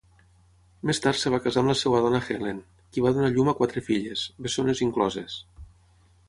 Més tard es va casar amb la seva dona Helen, qui va donar llum a quatre filles, bessones incloses.